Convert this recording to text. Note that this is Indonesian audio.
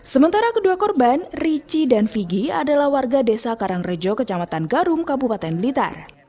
sementara kedua korban rici dan figi adalah warga desa karangrejo kecamatan garum kabupaten blitar